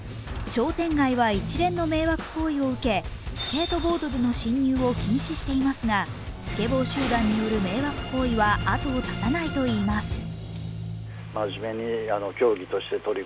商店街は、一連の迷惑行為を受けスケートボードでの侵入を禁止していますがスケボー集団による迷惑行為は後を絶たないといいます。